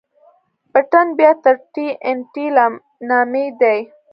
پټن بيا تر ټي ان ټي لا نامي دي.